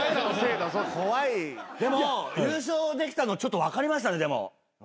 でも優勝できたのちょっと分かりましたね。